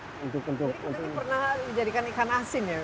jadi ini pernah dijadikan ikan asin ya